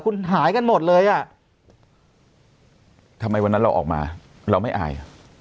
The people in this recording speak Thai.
คุณหายกันหมดเลยอ่ะทำไมวันนั้นเราออกมาเราไม่อาย